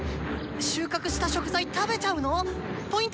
収穫した食材食べちゃうの⁉Ｐは？